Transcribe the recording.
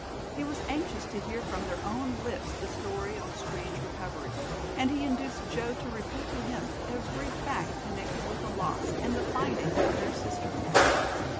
He was anxious to hear from their own lips the story of the strange recovery, and he induced Joe to repeat to him every fact connected with the loss and the finding of their sister.